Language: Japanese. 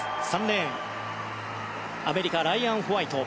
３レーンアメリカ、ライアン・ホワイト。